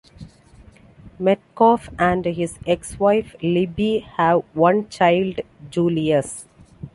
Metcalf and his ex-wife, Libby, have one child, Julius.